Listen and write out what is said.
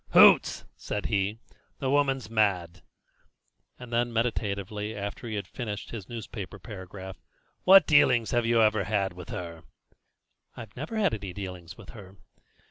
"Hoots!" said he; "the woman's mad!" And then meditatively, after he had finished his newspaper paragraph: "What dealings have you ever had with her?" "I never had any dealings with her."